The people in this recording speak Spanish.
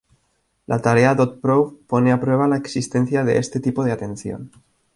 La tarea dot-probe pone a prueba la existencia de este tipo de atención.